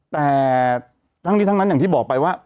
แต่ทั้งนี้ทั้งนั้นอย่างที่บอกไปว่า